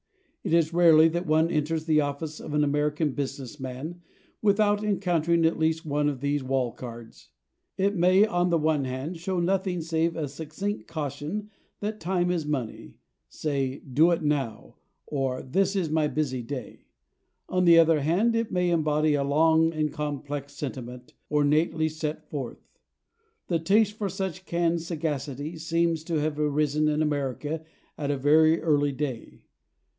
It is rarely that one enters the office of an American business man without encountering at least one of these wall cards. It may, on the one hand, show nothing save a succinct caution that time is money, say, "Do It Now," or "This Is My Busy Day"; on the other hand, it may embody a long and complex sentiment, ornately set forth. The taste for such canned sagacity seems to have arisen in America at a very early day.